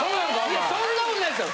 いやそんなことないですよ。